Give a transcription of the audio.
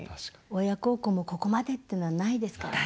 親孝行もここまでっていうのはないですからね。